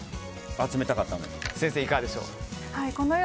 先生いかがでしょう？